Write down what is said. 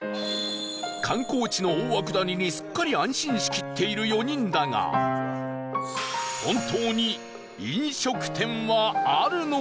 観光地の大涌谷にすっかり安心しきっている４人だが本当に飲食店はあるのか？